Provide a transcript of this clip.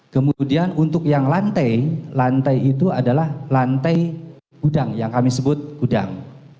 kemudian untuk yang lantai lantai itu adalah lantai gudang yang kami sebut gudang